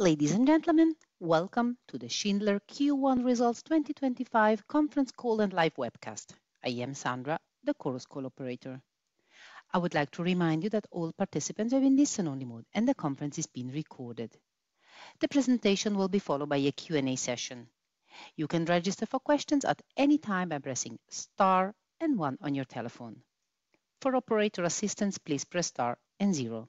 Ladies and gentlemen, welcome to the Schindler Q1 Results 2025 Conference Call and Live Webcast. I am Sandra, the Chorus Call operator. I would like to remind you that all participants are in listen-only mode, and the conference is being recorded. The presentation will be followed by a Q&A session. You can register for questions at any time by pressing star and one on your telephone. For operator assistance, please press star and zero.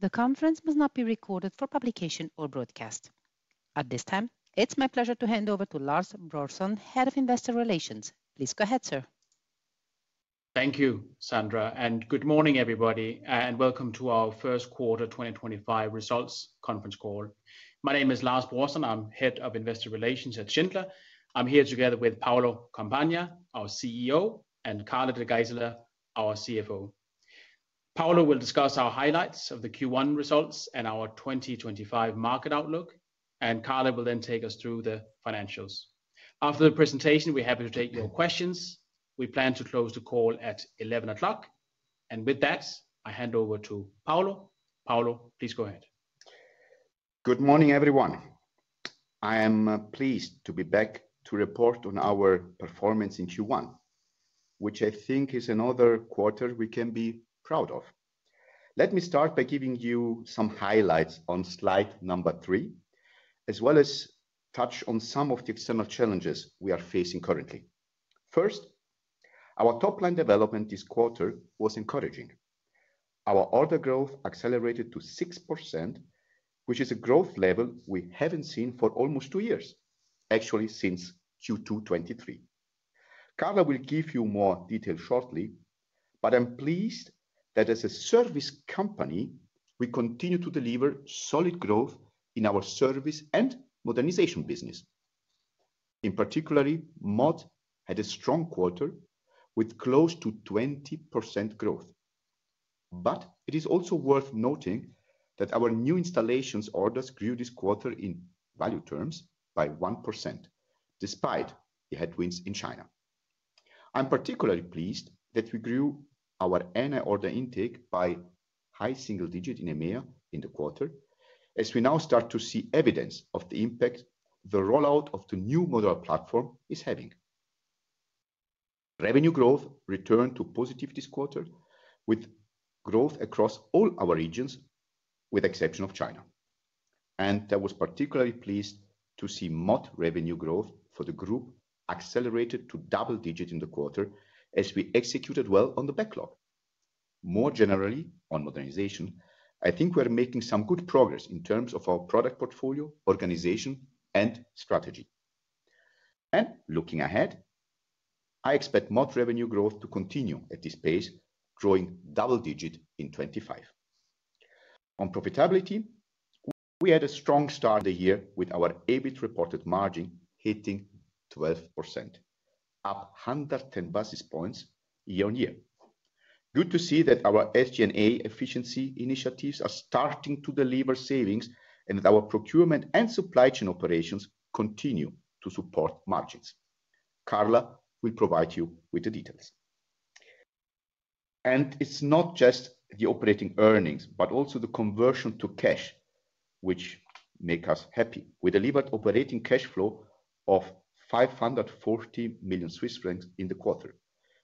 The conference must not be recorded for publication or broadcast. At this time, it's my pleasure to hand over to Lars Brorson, Head of Investor Relations. Please go ahead, sir. Thank you, Sandra, and good morning, everybody, and welcome to our first quarter 2025 results conference call. My name is Lars Brorson. I'm Head of Investor Relations at Schindler. I'm here together with Paolo Compagna, our CEO, and Carla De Geyseleer, our CFO. Paolo will discuss our highlights of the Q1 results and our 2025 market outlook, and Carla will then take us through the financials. After the presentation, we're happy to take your questions. We plan to close the call at 11:00, and with that, I hand over to Paolo. Paolo, please go ahead. Good morning, everyone. I am pleased to be back to report on our performance in Q1, which I think is another quarter we can be proud of. Let me start by giving you some highlights on slide number three, as well as touch on some of the external challenges we are facing currently. First, our top-line development this quarter was encouraging. Our order growth accelerated to 6%, which is a growth level we haven't seen for almost two years, actually since Q2 2023. Carla will give you more detail shortly, but I'm pleased that as a service company, we continue to deliver solid growth in our Service and Modernization business. In particular, Mod had a strong quarter with close to 20% growth. It is also worth noting that our new installations orders grew this quarter in value terms by 1%, despite the headwinds in China. I'm particularly pleased that we grew our NI order intake by high single digits in EMEA in the quarter, as we now start to see evidence of the impact the rollout of the new modular platform is having. Revenue growth returned to positive this quarter, with growth across all our regions, with the exception of China. I was particularly pleased to see Mod revenue growth for the group accelerated to double digits in the quarter, as we executed well on the backlog. More generally, on modernization, I think we're making some good progress in terms of our product portfolio, organization, and strategy. Looking ahead, I expect Mod revenue growth to continue at this pace, growing double digits in 2025. On profitability, we had a strong start of the year with our EBIT reported margin hitting 12%, up 110 basis points year on year. Good to see that our SG&A efficiency initiatives are starting to deliver savings and that our procurement and supply chain operations continue to support margins. Carla will provide you with the details. It is not just the operating earnings, but also the conversion to cash, which makes us happy. We delivered operating cash flow of 540 million Swiss francs in the quarter.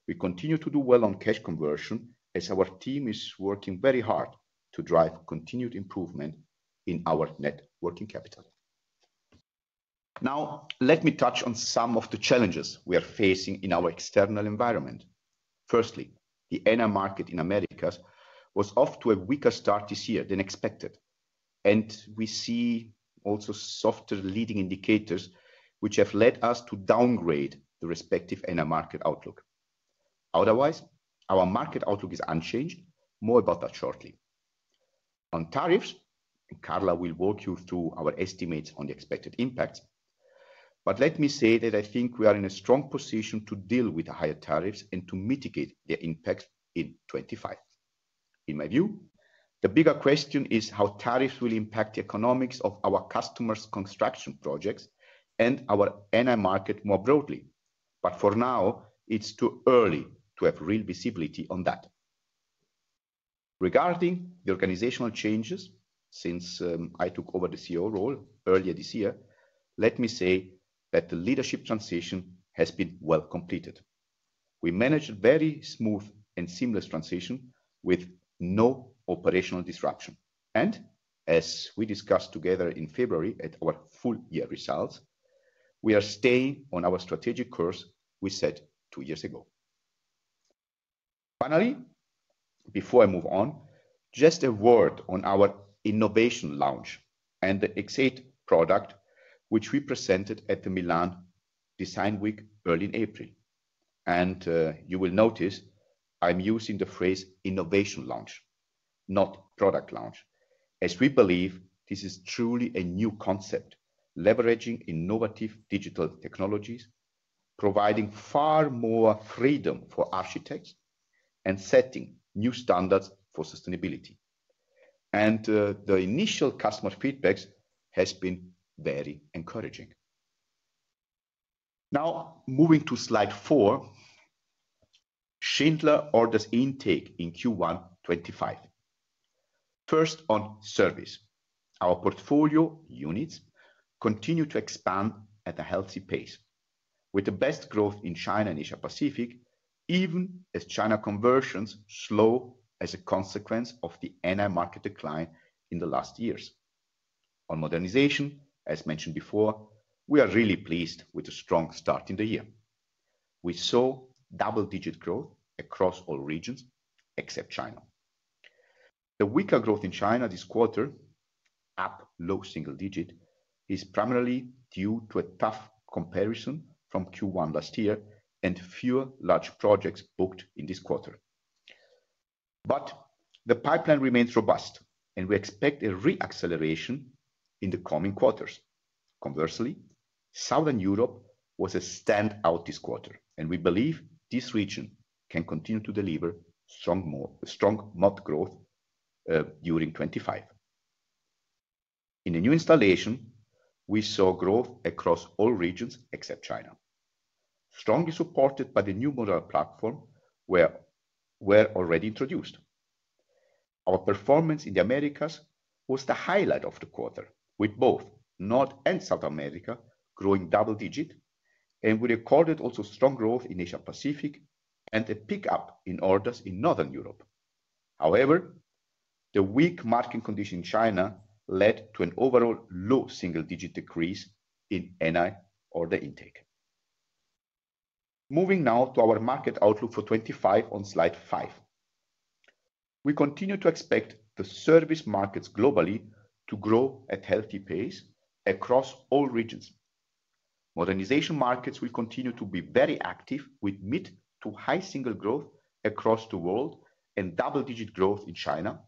We continue to do well on cash conversion, as our team is working very hard to drive continued improvement in our net working capital. Now, let me touch on some of the challenges we are facing in our external environment. Firstly, the NI market in the Americas was off to a weaker start this year than expected, and we see also softer leading indicators, which have led us to downgrade the respective NI market outlook. Otherwise, our market outlook is unchanged. More about that shortly. On tariffs, Carla will walk you through our estimates on the expected impacts but let me say that I think we are in a strong position to deal with higher tariffs and to mitigate their impacts in 2025. In my view, the bigger question is how tariffs will impact the economics of our customers' construction projects and our NI market more broadly. For now, it's too early to have real visibility on that. Regarding the organizational changes, since I took over the CEO role earlier this year, let me say that the leadership transition has been well completed. We managed a very smooth and seamless transition with no operational disruption. As we discussed together in February at our full-year results, we are staying on our strategic course we set two years ago. Finally, before I move on, just a word on our innovation launch and the X8 product, which we presented at the Milan Design Week early in April. You will notice I'm using the phrase innovation launch, not product launch, as we believe this is truly a new concept, leveraging innovative digital technologies, providing far more freedom for architects, and setting new standards for sustainability. The initial customer feedback has been very encouraging. Now, moving to slide four, Schindler orders intake in Q1 2025. First, on Service, our portfolio units continue to expand at a healthy pace, with the best growth in China and Asia-Pacific, even as China conversions slow as a consequence of the NI market decline in the last years. On Modernization, as mentioned before, we are really pleased with a strong start in the year. We saw double-digit growth across all regions except China. The weaker growth in China this quarter, up low single digit, is primarily due to a tough comparison from Q1 last year and fewer large projects booked in this quarter. The pipeline remains robust, and we expect a re-acceleration in the coming quarters. Conversely, Southern Europe was a standout this quarter, and we believe this region can continue to deliver strong Mod growth during 2025. In the New Installation, we saw growth across all regions except China, strongly supported by the new model platform we already introduced. Our performance in the Americas was the highlight of the quarter, with both North and South America growing double digit, and we recorded also strong growth in Asia-Pacific and a pickup in orders in Northern Europe. However, the weak market condition in China led to an overall low single-digit decrease in NI order intake. Moving now to our market outlook for 2025 on slide five. We continue to expect the Service markets globally to grow at a healthy pace across all regions. Modernization markets will continue to be very active, with mid to high single-digit growth across the world and double-digit growth in China,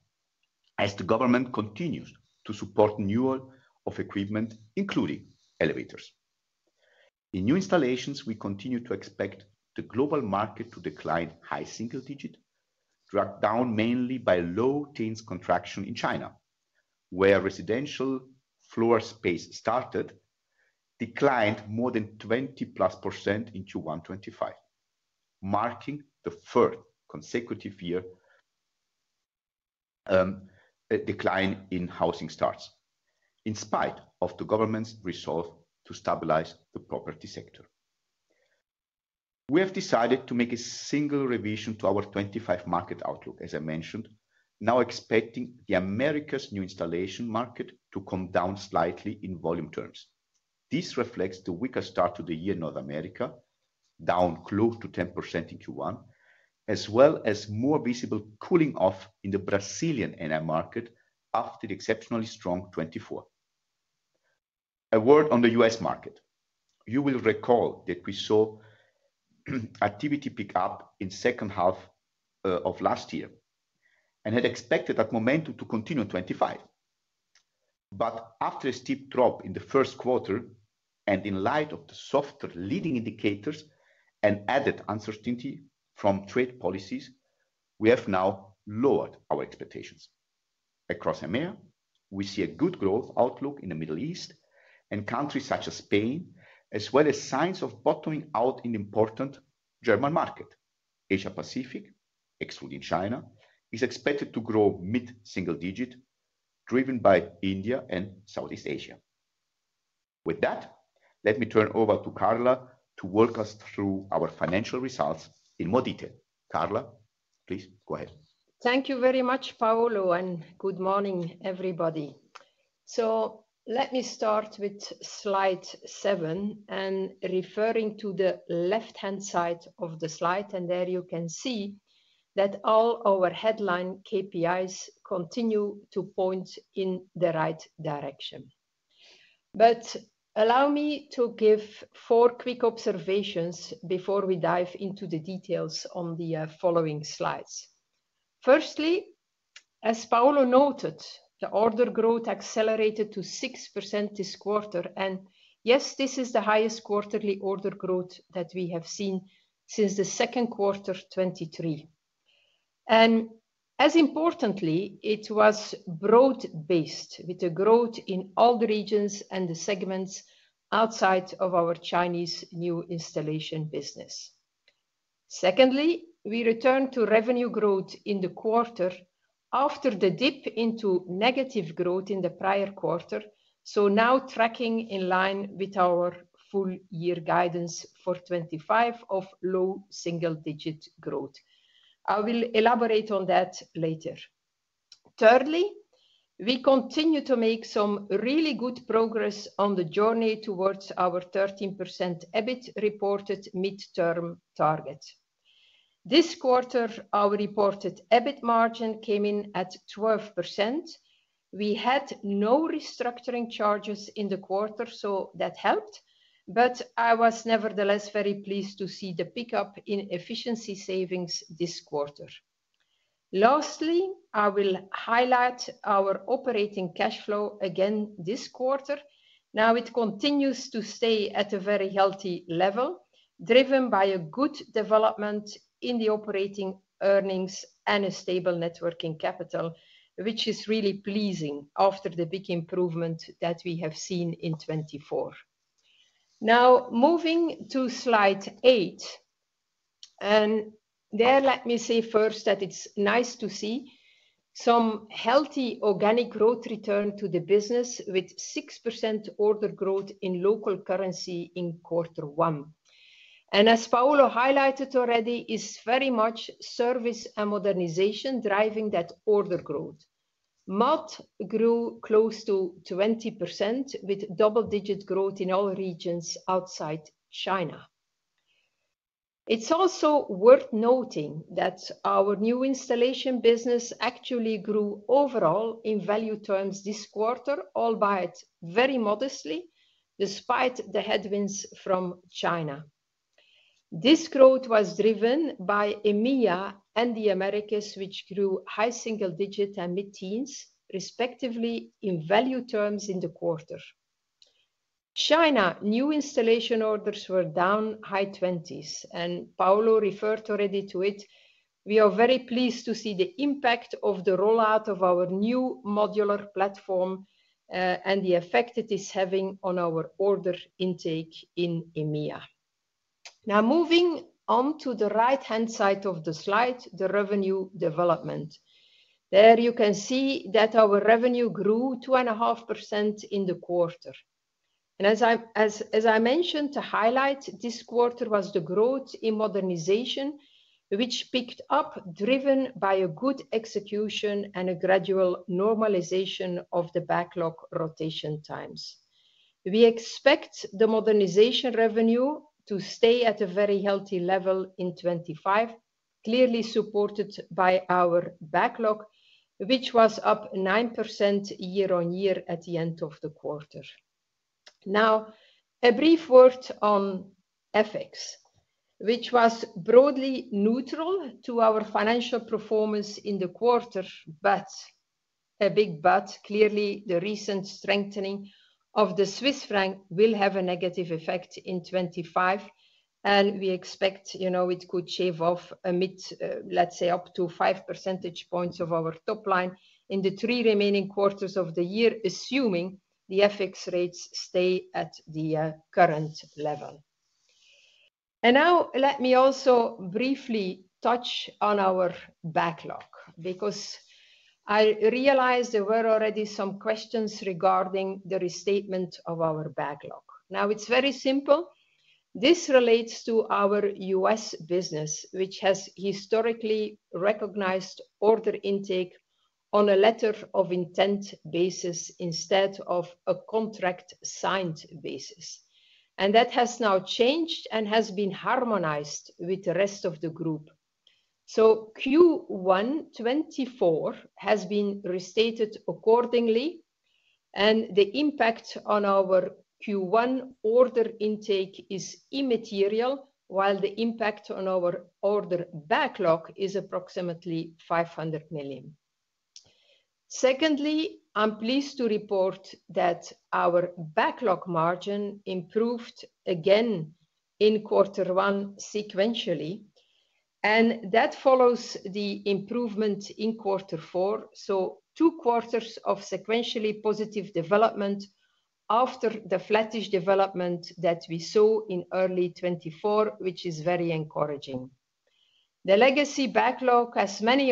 as the government continues to support renewal of equipment, including elevators. In new installations, we continue to expect the global market to decline high single digit, dragged down mainly by low-teens contraction in China, where residential floor space started declined more than 20% in Q1 2025, marking the first consecutive year decline in housing starts, in spite of the government's resolve to stabilize the property sector. We have decided to make a single revision to our 2025 market outlook, as I mentioned, now expecting the Americas New Installation market to come down slightly in volume terms. This reflects the weaker start to the year in North America, down close to 10% in Q1, as well as more visible cooling off in the Brazilian NI market after the exceptionally strong 2024. A word on the U.S. market. You will recall that we saw activity pick up in the second half of last year and had expected that momentum to continue in 2025. After a steep drop in the first quarter and in light of the softer leading indicators and added uncertainty from trade policies, we have now lowered our expectations. Across EMEA, we see a good growth outlook in the Middle East and countries such as Spain, as well as signs of bottoming out in the important German market. Asia-Pacific, excluding China, is expected to grow mid single digit, driven by India and Southeast Asia. With that, let me turn over to Carla to walk us through our financial results in more detail. Carla, please go ahead. Thank you very much, Paolo, and good morning, everybody. Let me start with slide seven and referring to the left-hand side of the slide, and there you can see that all our headline KPIs continue to point in the right direction. Allow me to give four quick observations before we dive into the details on the following slides. Firstly, as Paolo noted, the order growth accelerated to 6% this quarter, and yes, this is the highest quarterly order growth that we have seen since the second quarter 2023. As importantly, it was broad-based with the growth in all the regions and the segments outside of our Chinese New Installation business. Secondly, we returned to revenue growth in the quarter after the dip into negative growth in the prior quarter, so now tracking in line with our full-year guidance for 2025 of low single-digit growth. I will elaborate on that later. Thirdly, we continue to make some really good progress on the journey towards our 13% EBIT reported mid-term target. This quarter, our reported EBIT margin came in at 12%. We had no restructuring charges in the quarter, so that helped, but I was nevertheless very pleased to see the pickup in efficiency savings this quarter. Lastly, I will highlight our operating cash flow again this quarter. Now, it continues to stay at a very healthy level, driven by a good development in the operating earnings and a stable net working capital, which is really pleasing after the big improvement that we have seen in 2024. Now, moving to slide eight, and there let me say first that it's nice to see some healthy organic growth return to the business with 6% order growth in local currency in quarter one. As Paolo highlighted already, it's very much Service and Modernization driving that order growth. Mod grew close to 20% with double-digit growth in all regions outside China. It's also worth noting that our New Installation business actually grew overall in value terms this quarter, albeit very modestly, despite the headwinds from China. This growth was driven by EMEA and the Americas, which grew high single digit and mid teens, respectively, in value terms in the quarter. China New Installation orders were down high twenties, and Paolo referred already to it. We are very pleased to see the impact of the rollout of our new modular platform and the effect it is having on our order intake in EMEA. Now, moving on to the right-hand side of the slide, the revenue development. There you can see that our revenue grew 2.5% in the quarter. As I mentioned, to highlight, this quarter was the growth in Modernization, which picked up, driven by good execution and a gradual normalization of the backlog rotation times. We expect the Modernization revenue to stay at a very healthy level in 2025, clearly supported by our backlog, which was up 9% year on year at the end of the quarter. Now, a brief word on FX, which was broadly neutral to our financial performance in the quarter, but a big but. Clearly, the recent strengthening of the Swiss franc will have a negative effect in 2025, and we expect it could shave off a mid, let's say, up to 5 percentage points of our top line in the three remaining quarters of the year, assuming the FX rates stay at the current level. Let me also briefly touch on our backlog because I realized there were already some questions regarding the restatement of our backlog. It is very simple. This relates to our U.S. business, which has historically recognized order intake on a letter of intent basis instead of a contract-signed basis. That has now changed and has been harmonized with the rest of the group. Q1 2024 has been restated accordingly, and the impact on our Q1 order intake is immaterial, while the impact on our order backlog is approximately 500 million. Secondly, I am pleased to report that our backlog margin improved again in quarter one sequentially, and that follows the improvement in quarter four. Two quarters of sequentially positive development after the flattish development that we saw in early 2024, which is very encouraging. The legacy backlog, as many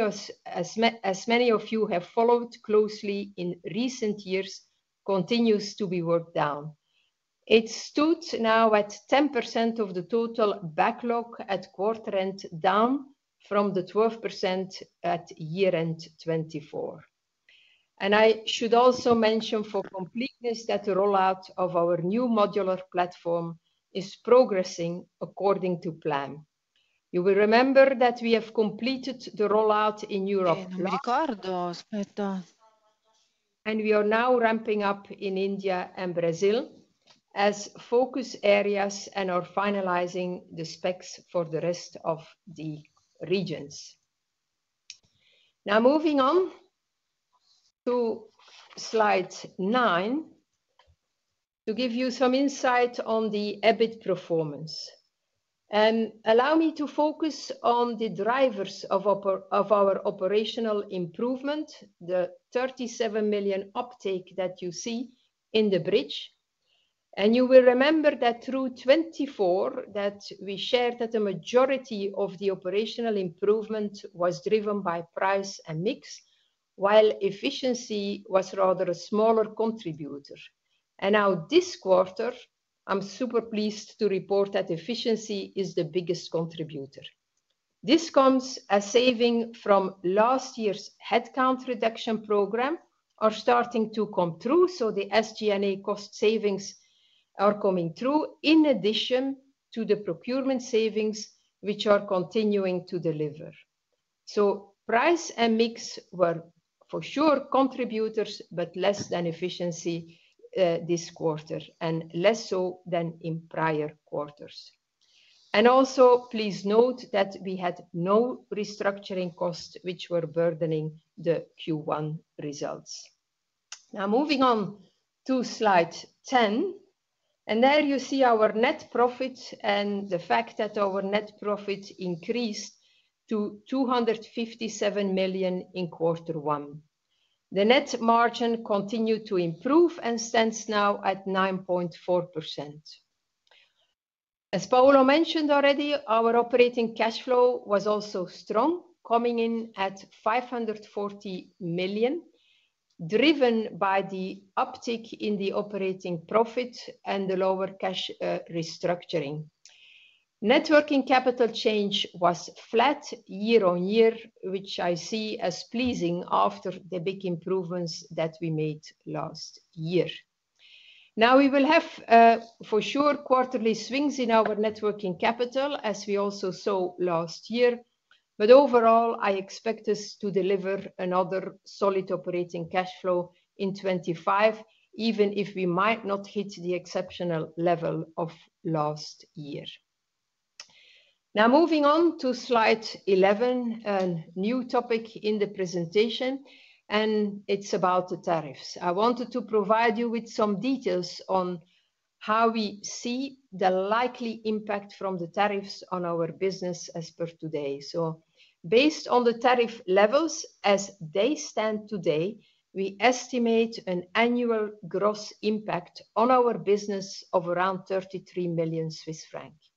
of you have followed closely in recent years, continues to be worked down. It stood now at 10% of the total backlog at quarter-end, down from the 12% at year-end 2024. I should also mention for completeness that the rollout of our new modular platform is progressing according to plan. You will remember that we have completed the rollout in Europe. We are now ramping up in India and Brazil as focus areas and are finalizing the specs for the rest of the regions. Now, moving on to slide nine to give you some insight on the EBIT performance. Allow me to focus on the drivers of our operational improvement, the $37 million uptake that you see in the bridge. You will remember that through 2024, we shared that the majority of the operational improvement was driven by price and mix, while efficiency was rather a smaller contributor. Now this quarter, I'm super pleased to report that efficiency is the biggest contributor. This comes as savings from last year's headcount reduction program are starting to come through. The SG&A cost savings are coming through in addition to the procurement savings, which are continuing to deliver. Price and mix were for sure contributors, but less than efficiency this quarter and less so than in prior quarters. Also, please note that we had no restructuring costs which were burdening the Q1 results. Now, moving on to slide 10, and there you see our net profit and the fact that our net profit increased to 257 million in quarter one. The net margin continued to improve and stands now at 9.4%. As Paolo mentioned already, our operating cash flow was also strong, coming in at 540 million, driven by the uptake in the operating profit and the lower cash restructuring. Net working capital change was flat year on year, which I see as pleasing after the big improvements that we made last year. Now, we will have for sure quarterly swings in our net working capital, as we also saw last year. Overall, I expect us to deliver another solid operating cash flow in 2025, even if we might not hit the exceptional level of last year. Moving on to slide 11, a new topic in the presentation, and it's about the tariffs. I wanted to provide you with some details on how we see the likely impact from the tariffs on our business as per today. Based on the tariff levels as they stand today, we estimate an annual gross impact on our business of around 33 million Swiss francs.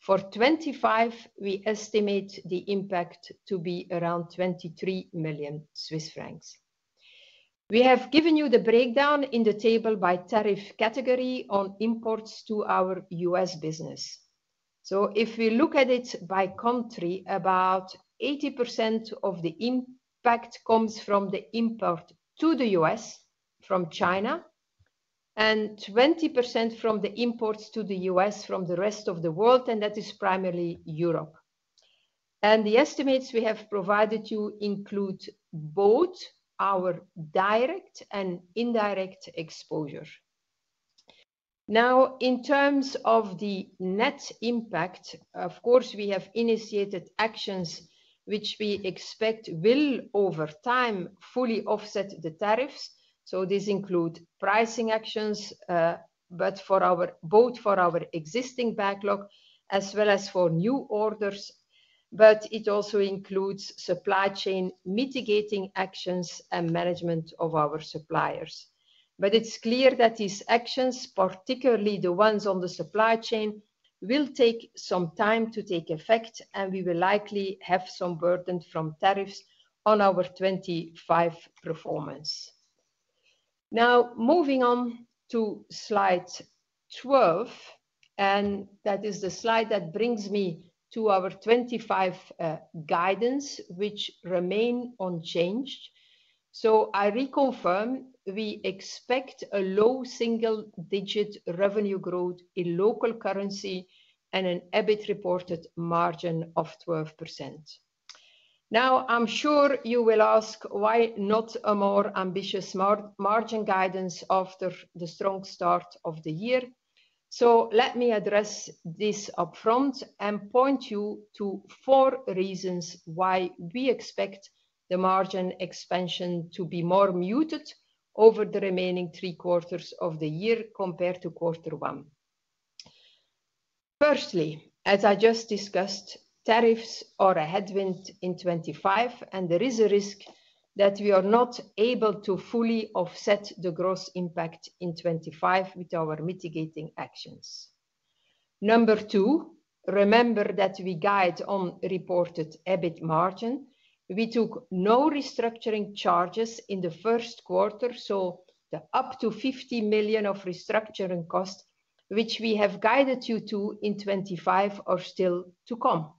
For 2025, we estimate the impact to be around 23 million Swiss francs. We have given you the breakdown in the table by tariff category on imports to our U.S. business. If we look at it by country, about 80% of the impact comes from the import to the U.S. from China and 20% from the imports to the U.S. from the rest of the world, and that is primarily Europe. The estimates we have provided you include both our direct and indirect exposure. In terms of the net impact, of course, we have initiated actions which we expect will, over time, fully offset the tariffs. These include pricing actions, both for our existing backlog as well as for new orders. It also includes supply chain mitigating actions and management of our suppliers. It is clear that these actions, particularly the ones on the supply chain, will take some time to take effect, and we will likely have some burden from tariffs on our 2025 performance. Now, moving on to slide 12, that is the slide that brings me to our 2025 guidance, which remains unchanged. I reconfirm we expect a low single-digit revenue growth in local currency and an EBIT reported margin of 12%. I am sure you will ask why not a more ambitious margin guidance after the strong start of the year. Let me address this upfront and point you to four reasons why we expect the margin expansion to be more muted over the remaining three quarters of the year compared to quarter one. Firstly, as I just discussed, tariffs are a headwind in 2025, and there is a risk that we are not able to fully offset the gross impact in 2025 with our mitigating actions. Number two, remember that we guide on reported EBIT margin. We took no restructuring charges in the first quarter, so the up to 50 million of restructuring cost, which we have guided you to in 2025, are still to come.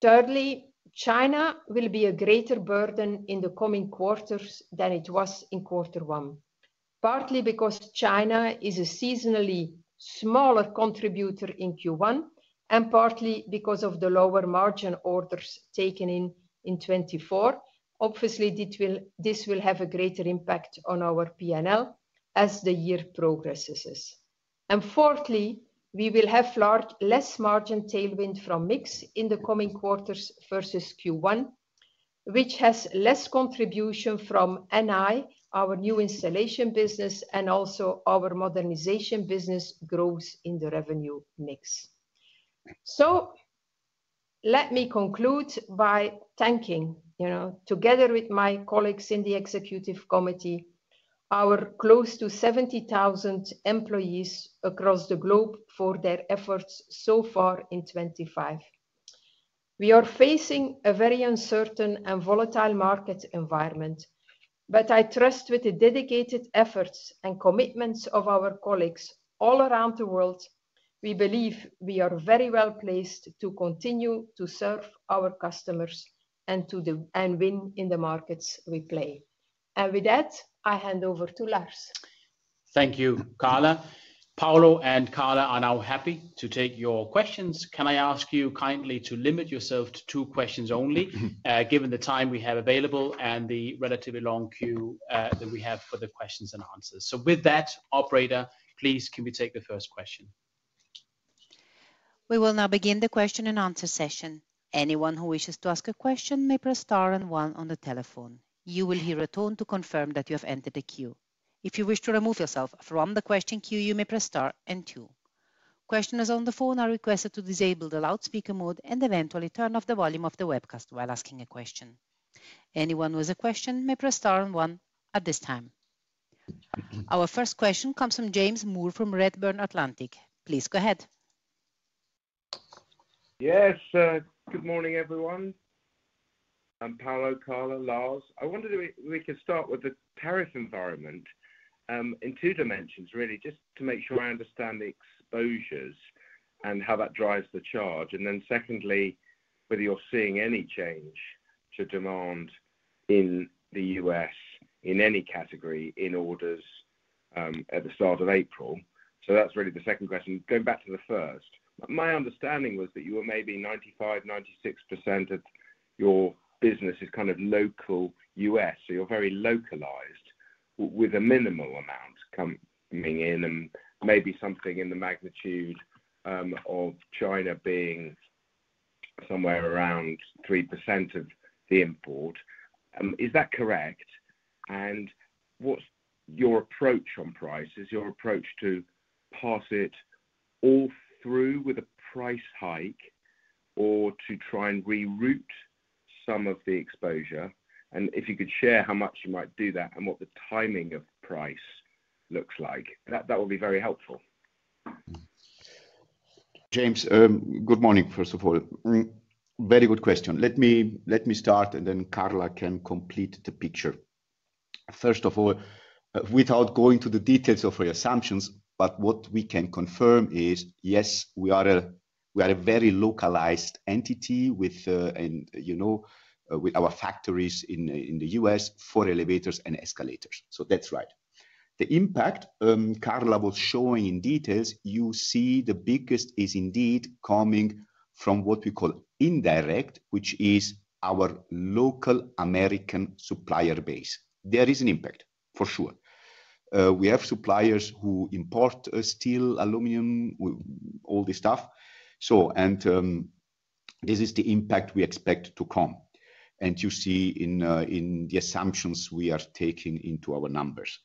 Thirdly, China will be a greater burden in the coming quarters than it was in quarter one, partly because China is a seasonally smaller contributor in Q1 and partly because of the lower margin orders taken in in 2024. Obviously, this will have a greater impact on our P&L as the year progresses. Fourthly, we will have less margin tailwind from mix in the coming quarters versus Q1, which has less contribution from NI, our New Installation business, and also our Modernization business growth in the revenue mix. Let me conclude by thanking, together with my colleagues in the Executive Committee, our close to 70,000 employees across the globe for their efforts so far in 2025. We are facing a very uncertain and volatile market environment, but I trust with the dedicated efforts and commitments of our colleagues all around the world, we believe we are very well placed to continue to serve our customers and to win in the markets we play. With that, I hand over to Lars. Thank you, Carla. Paolo and Carla are now happy to take your questions. Can I ask you kindly to limit yourself to two questions only, given the time we have available and the relatively long queue that we have for the questions and answers? With that, operator, please, can we take the first question? We will now begin the question and answer session. Anyone who wishes to ask a question may press star and one on the telephone. You will hear a tone to confirm that you have entered the queue. If you wish to remove yourself from the question queue, you may press star and two. Questioners on the phone are requested to disable the loudspeaker mode and eventually turn off the volume of the webcast while asking a question. Anyone with a question may press star and one at this time. Our first question comes from James Moore from Redburn Atlantic. Please go ahead. Yes, good morning, everyone. And Paolo, Carla, Lars. I wondered if we could start with the tariff environment in two dimensions, really, just to make sure I understand the exposures and how that drives the charge. Secondly, whether you're seeing any change to demand in the U.S. in any category in orders at the start of April. That's really the second question. Going back to the first, my understanding was that you were maybe 95%-96% of your business is kind of local U.S., so you're very localized with a minimal amount coming in and maybe something in the magnitude of China being somewhere around 3% of the import. Is that correct? What's your approach on prices, your approach to pass it all through with a price hike or to try and reroute some of the exposure? If you could share how much you might do that and what the timing of price looks like, that will be very helpful. James, good morning, first of all. Very good question. Let me start and then Carla can complete the picture. First of all, without going to the details of reassumptions, but what we can confirm is, yes, we are a very localized entity with our factories in the U.S. for elevators and escalators. That is right. The impact Carla was showing in details, you see the biggest is indeed coming from what we call indirect, which is our local American supplier base. There is an impact, for sure. We have suppliers who import steel, aluminum, all this stuff. This is the impact we expect to come. You see in the assumptions we are taking into our numbers.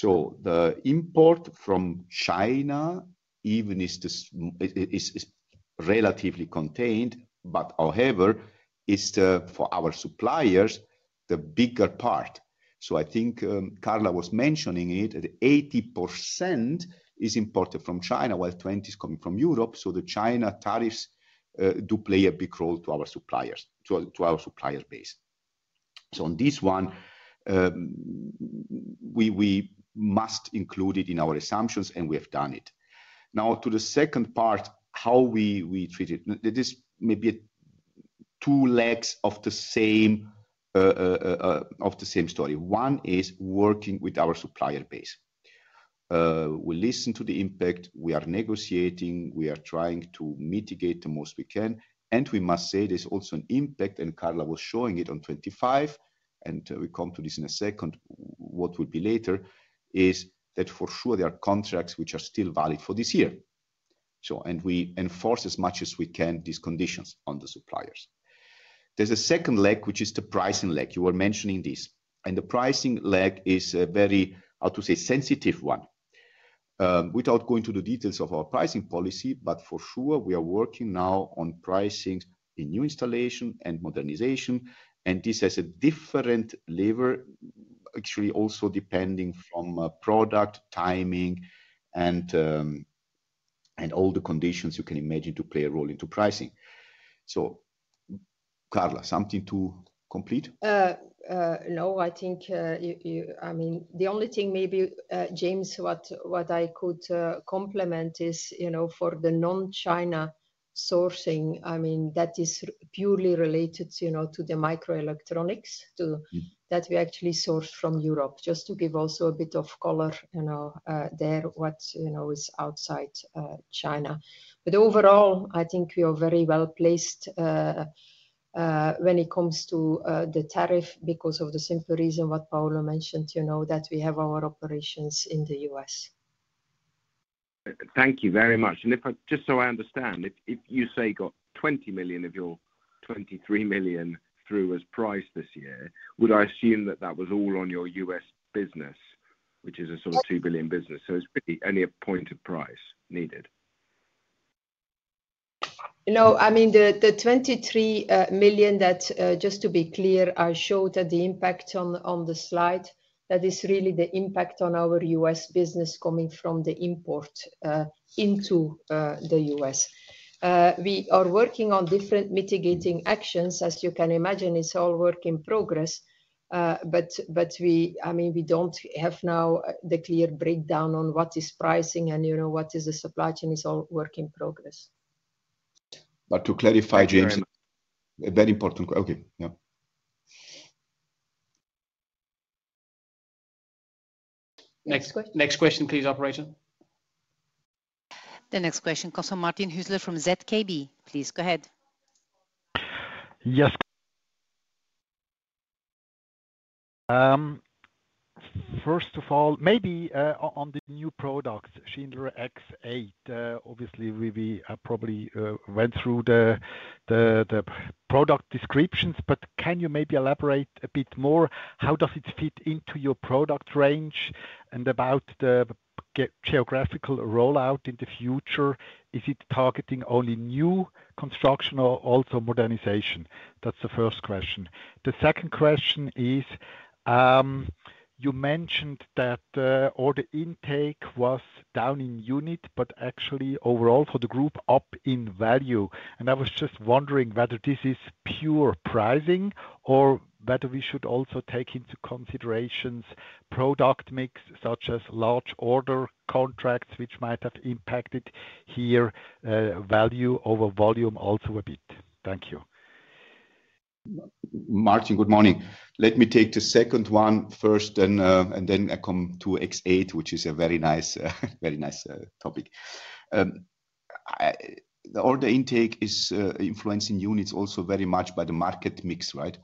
The import from China even is relatively contained, however, it is for our suppliers the bigger part. I think Carla was mentioning it, 80% is imported from China, while 20% is coming from Europe. The China tariffs do play a big role to our suppliers, to our supplier base. On this one, we must include it in our assumptions and we have done it. Now, to the second part, how we treat it, this may be two legs of the same story. One is working with our supplier base. We listen to the impact, we are negotiating, we are trying to mitigate the most we can. We must say there's also an impact, and Carla was showing it on 2025, and we come to this in a second, what will be later, is that for sure there are contracts which are still valid for this year. We enforce as much as we can these conditions on the suppliers. There's a second leg, which is the pricing leg. You were mentioning this. The pricing leg is a very, I'll say, sensitive one. Without going to the details of our pricing policy, but for sure, we are working now on pricing in New Installation and Modernization. This has a different lever, actually also depending from product timing and all the conditions you can imagine to play a role into pricing. Carla, something to complete? No, I think, I mean, the only thing maybe, James, what I could complement is for the non-China sourcing, I mean, that is purely related to the microelectronics that we actually source from Europe, just to give also a bit of color there what is outside China. Overall, I think we are very well placed when it comes to the tariff because of the simple reason what Paolo mentioned, that we have our operations in the U.S. Thank you very much. Just so I understand, if you say got $20 million of your $23 million through as price this year, would I assume that that was all on your U.S. business, which is a sort of $2 billion business? It is really only a point of price needed. No, I mean, the $23 million, just to be clear, I showed the impact on the slide. That is really the impact on our U.S. business coming from the import into the U.S. We are working on different mitigating actions. As you can imagine, it's all work in progress. I mean, we don't have now the clear breakdown on what is pricing and what is the supply chain. It's all work in progress. To clarify, James, a very important question. Okay. Yeah. Next question. Next question, please, operator. The next question, Martin Hüsler from ZKB. Please go ahead. Yes. First of all, maybe on the new product, Schindler X8, obviously, we probably went through the product descriptions, but can you maybe elaborate a bit more? How does it fit into your product range? And about the geographical rollout in the future, is it targeting only new construction or also modernization? That is the first question. The second question is, you mentioned that all the intake was down in unit, but actually overall for the group up in value. I was just wondering whether this is pure pricing or whether we should also take into consideration product mix such as large order contracts, which might have impacted here value over volume also a bit. Thank you. Martin, good morning. Let me take the second one first, and then I come to X8, which is a very nice topic. All the intake is influencing units also very much by the market mix, right?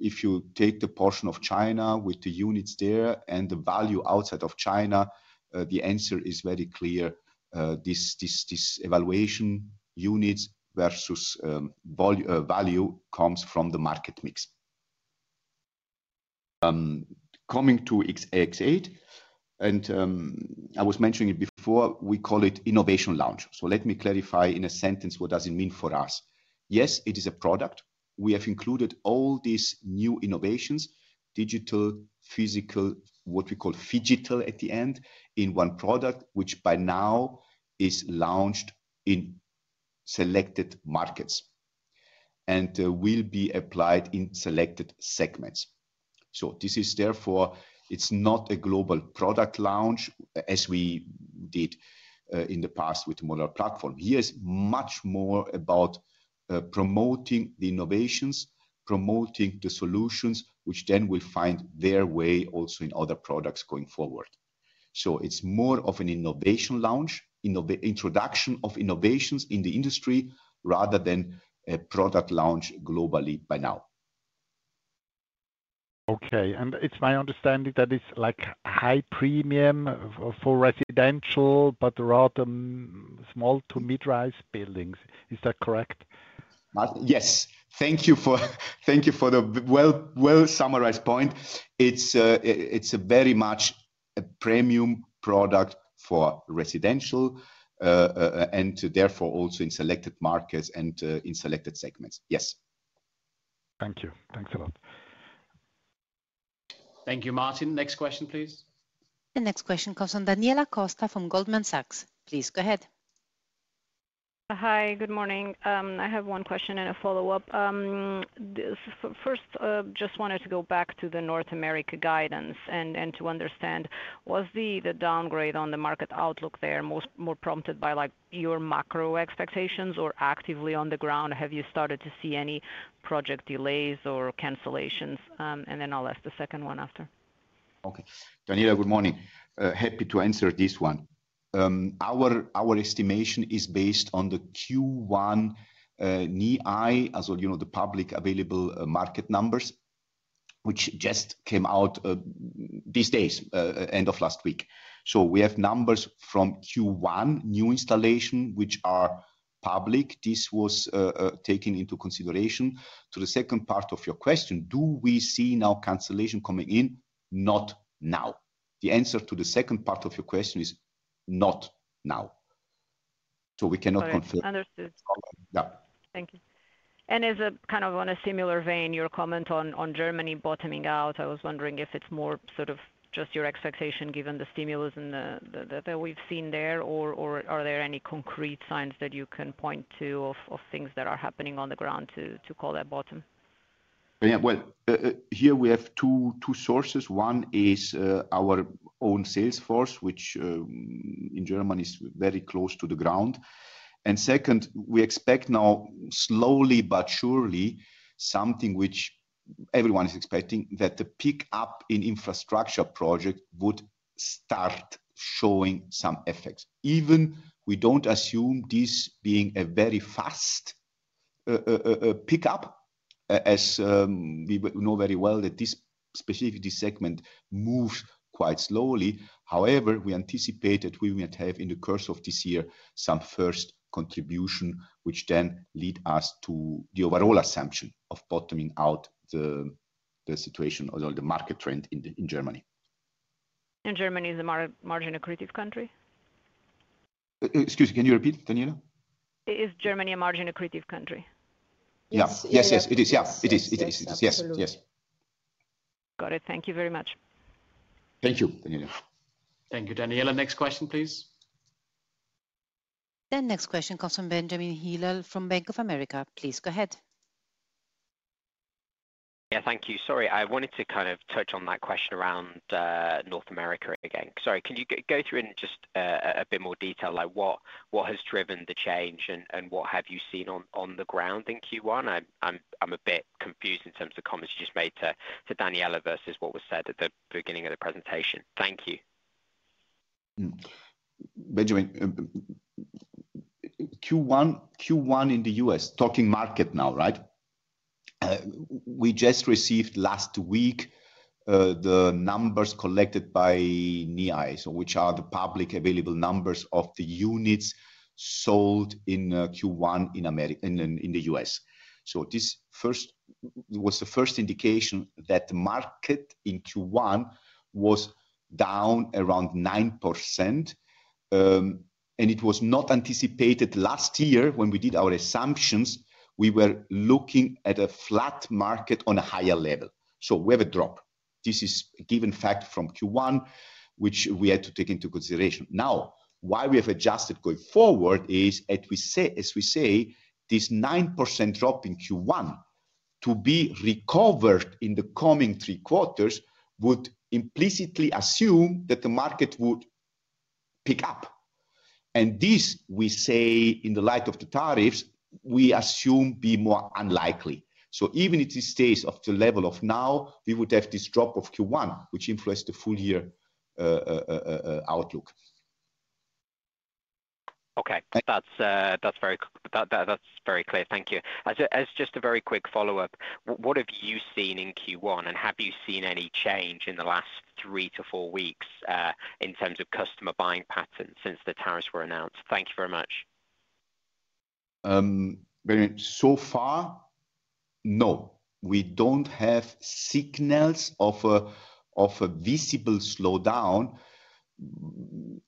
If you take the portion of China with the units there and the value outside of China, the answer is very clear. This evaluation units versus value comes from the market mix. Coming to X8, and I was mentioning it before, we call it innovation launch. Let me clarify in a sentence what does it mean for us. Yes, it is a product. We have included all these new innovations, digital, physical, what we call phygital at the end, in one product, which by now is launched in selected markets and will be applied in selected segments. Therefore, it is not a global product launch as we did in the past with the modular platform. Here's much more about promoting the innovations, promoting the solutions, which then will find their way also in other products going forward. It is more of an innovation launch, introduction of innovations in the industry rather than a product launch globally by now. Okay. It's my understanding that it's like high premium for residential, but rather small to mid-rise buildings. Is that correct? Yes. Thank you for the well-summarized point. It's very much a premium product for residential and therefore also in selected markets and in selected segments. Yes. Thank you. Thanks a lot. Thank you, Martin. Next question, please. The next question comes from Daniela Costa from Goldman Sachs. Please go ahead. Hi, good morning. I have one question and a follow-up. First, just wanted to go back to the North America guidance and to understand, was the downgrade on the market outlook there more prompted by your macro expectations or actively on the ground? Have you started to see any project delays or cancellations? I will ask the second one after. Okay. Daniela, good morning. Happy to answer this one. Our estimation is based on the Q1 NEII, as well as the public available market numbers, which just came out these days, end of last week. We have numbers from Q1 new installation, which are public. This was taken into consideration. To the second part of your question, do we see now cancellation coming in? Not now. The answer to the second part of your question is not now. We cannot confirm. Understood. Thank you. As a kind of on a similar vein, your comment on Germany bottoming out, I was wondering if it's more sort of just your expectation given the stimulus that we've seen there, or are there any concrete signs that you can point to of things that are happening on the ground to call that bottom? Here we have two sources. One is our own sales force, which in Germany is very close to the ground. Second, we expect now slowly but surely something which everyone is expecting, that the pickup in infrastructure project would start showing some effects. Even we do not assume this being a very fast pickup, as we know very well that this specific segment moves quite slowly. However, we anticipate that we might have in the course of this year some first contribution, which then leads us to the overall assumption of bottoming out the situation or the market trend in Germany. Germany is a margin accretive country? Excuse me, can you repeat, Daniela? Is Germany a margin accretive country? Yes, it is. Yeah, it is. It is. Yes. Got it. Thank you very much. Thank you, Daniela. Thank you, Daniela. Next question, please. The next question comes from Benjamin Heelan from Bank of America. Please go ahead. Yeah, thank you. Sorry, I wanted to kind of touch on that question around North America again. Sorry, can you go through in just a bit more detail, like what has driven the change and what have you seen on the ground in Q1? I'm a bit confused in terms of the comments you just made to Daniela versus what was said at the beginning of the presentation. Thank you. Benjamin, Q1 in the U.S., talking market now, right? We just received last week the numbers collected by NEII, which are the public available numbers of the units sold in Q1 in the U.S. This was the first indication that the market in Q1 was down around 9%. It was not anticipated last year when we did our assumptions, we were looking at a flat market on a higher level. We have a drop. This is a given fact from Q1, which we had to take into consideration. Now, why we have adjusted going forward is, as we say, this 9% drop in Q1 to be recovered in the coming three quarters would implicitly assume that the market would pick up. This, we say in the light of the tariffs, we assume be more unlikely. Even if it stays at the level of now, we would have this drop of Q1, which influenced the full year outlook. Okay. That's very clear. Thank you. As just a very quick follow-up, what have you seen in Q1, and have you seen any change in the last three to four weeks in terms of customer buying patterns since the tariffs were announced? Thank you very much. No, we don't have signals of a visible slowdown.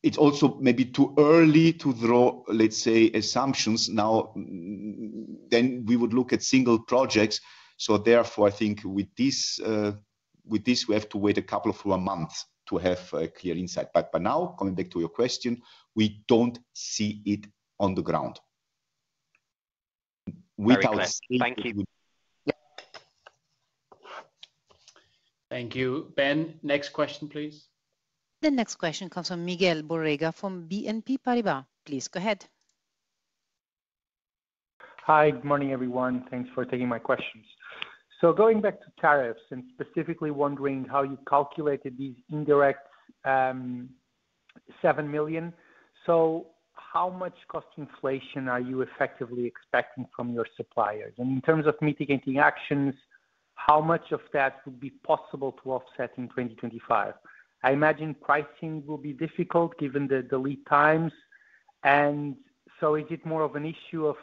It's also maybe too early to draw, let's say, assumptions. Now, we would look at single projects. Therefore, I think with this, we have to wait a couple of months to have a clear insight. Coming back to your question, we don't see it on the ground. Without. Okay. Thank you. Thank you. Ben, next question, please. The next question comes from Miguel Borrega from BNP Paribas. Please go ahead. Hi, good morning, everyone. Thanks for taking my questions. Going back to tariffs and specifically wondering how you calculated these indirect 7 million. How much cost inflation are you effectively expecting from your suppliers? In terms of mitigating actions, how much of that would be possible to offset in 2025? I imagine pricing will be difficult given the delayed times. Is it more of an issue of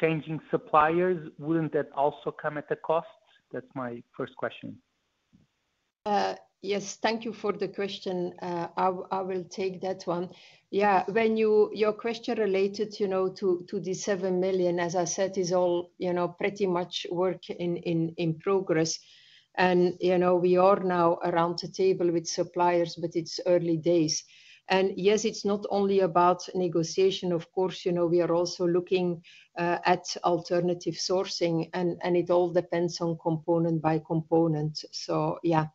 changing suppliers? Wouldn't that also come at the cost? That's my first question. Yes. Thank you for the question. I will take that one. Yeah. Your question related to the $7 million, as I said, is all pretty much work in progress. We are now around the table with suppliers, but it's early days. Yes, it's not only about negotiation. Of course, we are also looking at alternative sourcing, and it all depends on component by component. Yeah,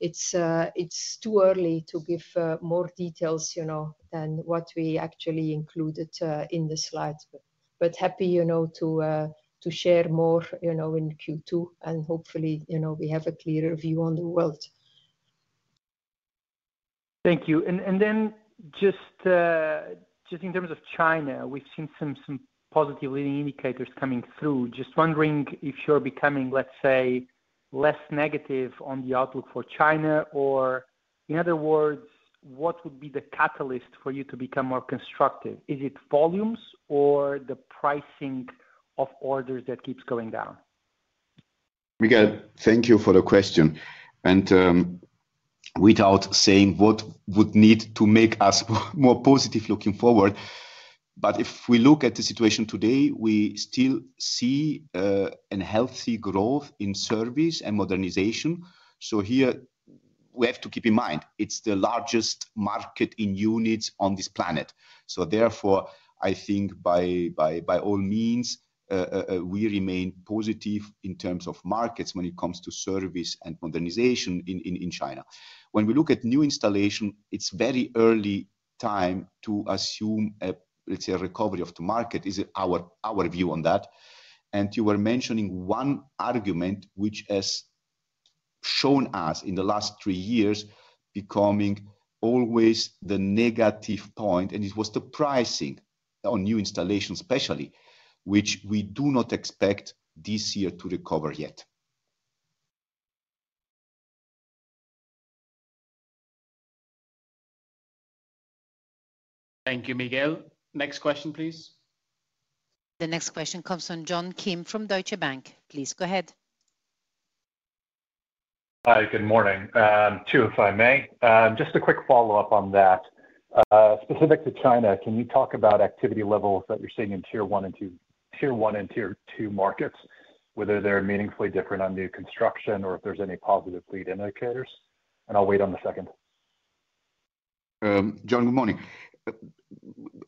it's too early to give more details than what we actually included in the slides. Happy to share more in Q2, and hopefully, we have a clearer view on the world. Thank you. Just in terms of China, we've seen some positive leading indicators coming through. Just wondering if you're becoming, let's say, less negative on the outlook for China, or in other words, what would be the catalyst for you to become more constructive? Is it volumes or the pricing of orders that keeps going down? Miguel, thank you for the question. Without saying what would need to make us more positive looking forward, if we look at the situation today, we still see a healthy growth in Service and Modernization. Here, we have to keep in mind, it is the largest market in units on this planet. Therefore, I think by all means, we remain positive in terms of markets when it comes to Service and Modernization in China. When we look at New Installation, it is very early time to assume a, let's say, recovery of the market is our view on that. You were mentioning one argument, which has shown us in the last three years becoming always the negative point, and it was the pricing on New Installation especially, which we do not expect this year to recover yet. Thank you, Miguel. Next question, please. The next question comes from John Kim from Deutsche Bank. Please go ahead. Hi, good morning. Two, if I may. Just a quick follow-up on that. Specific to China, can you talk about activity levels that you're seeing in tier one and tier two markets, whether they're meaningfully different on new construction or if there's any positive lead indicators? I'll wait on the second. John, good morning.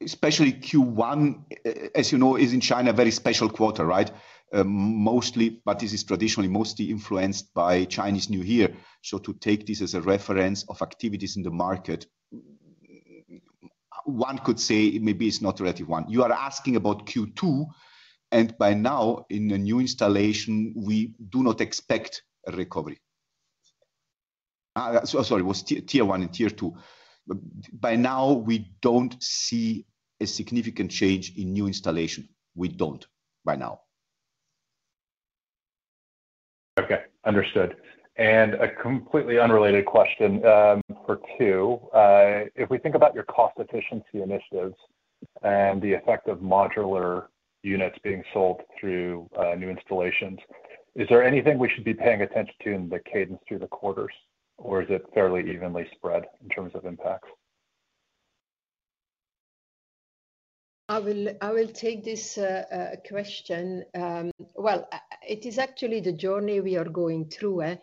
Especially Q1, as you know, is in China a very special quarter, right? Mostly, this is traditionally mostly influenced by Chinese New Year. To take this as a reference of activities in the market, one could say maybe it's not a relative one. You are asking about Q2, and by now, in the new installation, we do not expect a recovery. Sorry, it was tier one and tier two. By now, we don't see a significant change in new installation. We don't by now. Okay. Understood. A completely unrelated question for two. If we think about your cost efficiency initiatives and the effect of modular units being sold through new installations, is there anything we should be paying attention to in the cadence through the quarters, or is it fairly evenly spread in terms of impacts? I will take this question. It is actually the journey we are going through.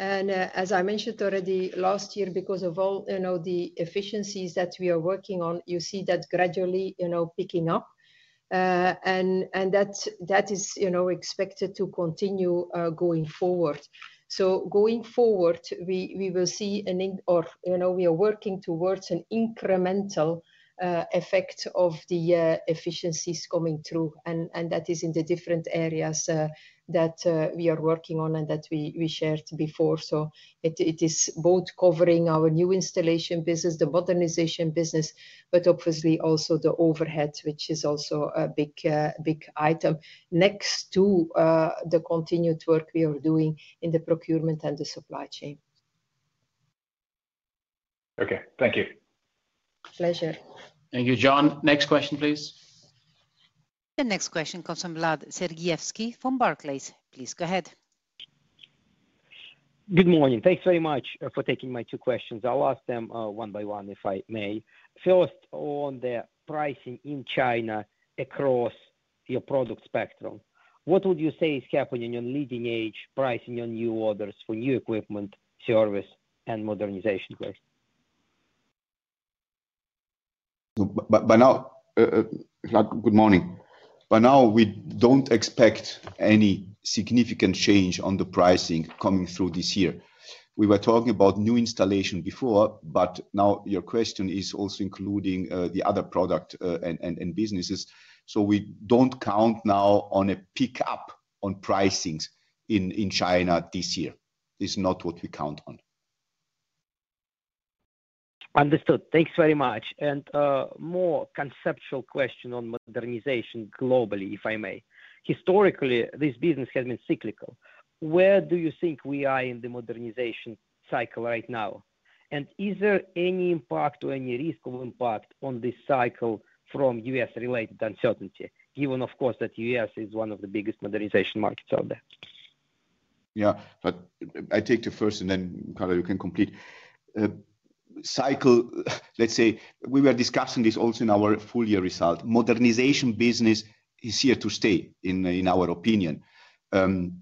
As I mentioned already, last year, because of all the efficiencies that we are working on, you see that gradually picking up, and that is expected to continue going forward. Going forward, we will see an, or we are working towards, an incremental effect of the efficiencies coming through, and that is in the different areas that we are working on and that we shared before. It is both covering our New Installation business, the Modernization business, but obviously also the overhead, which is also a big item next to the continued work we are doing in the procurement and the supply chain. Okay. Thank you. Pleasure. Thank you, John. Next question, please. The next question comes from Vlad Sergievskii from Barclays. Please go ahead. Good morning. Thanks very much for taking my two questions. I'll ask them one by one if I may. First, on the pricing in China across your product spectrum, what would you say is happening on leading-edge pricing on new orders for new equipment, Service, and Modernization? Good morning. By now, we don't expect any significant change on the pricing coming through this year. We were talking about New Installation before, but now your question is also including the other product and businesses. So we don't count now on a pickup on pricings in China this year. This is not what we count on. Understood. Thanks very much. A more conceptual question on Modernization globally, if I may. Historically, this business has been cyclical. Where do you think we are in the modernization cycle right now? Is there any impact or any risk of impact on this cycle from U.S.-related uncertainty, given, of course, that U.S. is one of the biggest modernization markets out there? Yeah. I take the first, and then Carla, you can complete. Cycle, let's say, we were discussing this also in our full year result. Modernization business is here to stay, in our opinion. The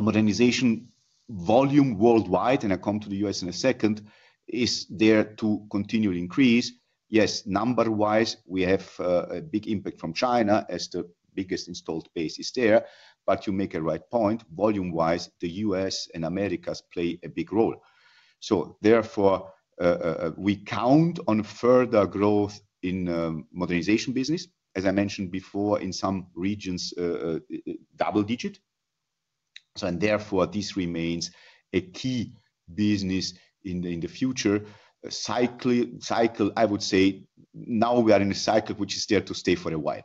Modernization volume worldwide, and I come to the U.S. in a second, is there to continue to increase. Yes, number-wise, we have a big impact from China as the biggest installed base is there. You make a right point. Volume-wise, the U.S. and Americas play a big role. Therefore, we count on further growth in Modernization business. As I mentioned before, in some regions, double-digit. Therefore, this remains a key business in the future. Cycle, I would say, now we are in a cycle which is there to stay for a while.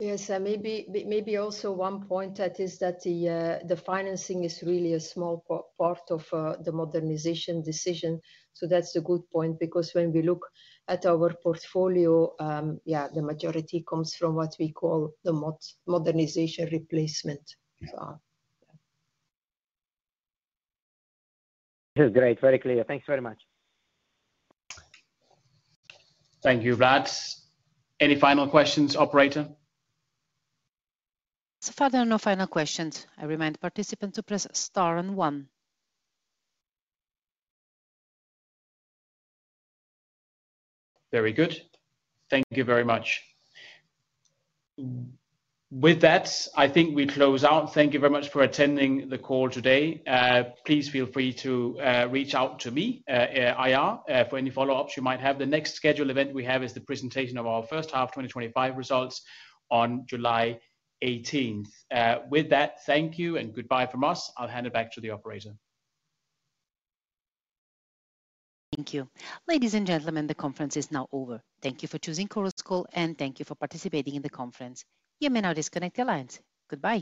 Yes. Maybe also one point is that the financing is really a small part of the modernization decision. That's a good point because when we look at our portfolio, the majority comes from what we call the modernization replacement. This is great. Very clear. Thanks very much. Thank you, Vlad. Any final questions, operator? So far, there are no final questions. I remind participants to press star and one. Very good. Thank you very much. With that, I think we close out. Thank you very much for attending the call today. Please feel free to reach out to me, IR, for any follow-ups you might have. The next scheduled event we have is the presentation of our first half 2025 results on July 18th. With that, thank you and goodbye from us. I'll hand it back to the operator. Thank you. Ladies and gentlemen, the conference is now over. Thank you for choosing Chorus Call and thank you for participating in the conference. You may now disconnect your lines. Goodbye.